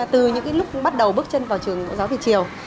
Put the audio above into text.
từ những lúc bắt đầu bước chân vào trường mẫu giáo việt triều